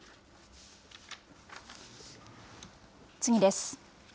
次です。